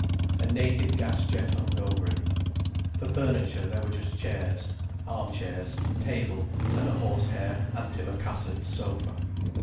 A naked gas jet hung over it. For furniture, there were just chairs, arm chairs, table, and a horse hair antimacassar ed sofa.